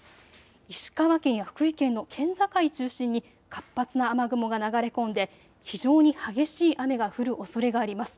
石川県や福井県の県境中心に活発な雨雲が流れ込んで非常に激しい雨が降るおそれがあります。